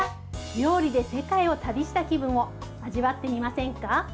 料理で世界を旅した気分を味わってみませんか？